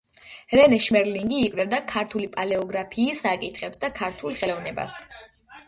რენე შმერლინგი იკვლევდა ქართული პალეოგრაფიის საკითხებს და ქართულ ხელოვნებას.